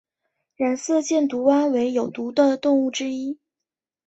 染色箭毒蛙为有毒的动物之一。